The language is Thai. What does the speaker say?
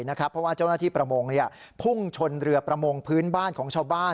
เพราะว่าเจ้าหน้าที่ประมงพุ่งชนเรือประมงพื้นบ้านของชาวบ้าน